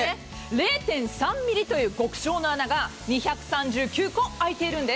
０．３ｍｍという極小な穴が２３９個あいているんです。